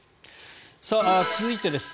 続いてです。